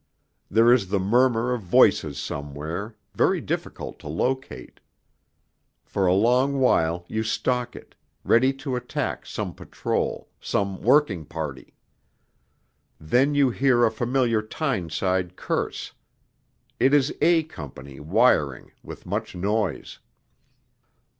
There is the murmur of voices somewhere, very difficult to locate. For a long while you stalk it, ready to attack some patrol, some working party. Then you hear a familiar Tyneside curse ... it is A Company wiring, with much noise.